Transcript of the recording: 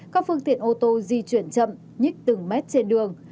các phương tiện ô tô di chuyển chậm nhích từng mét trên đường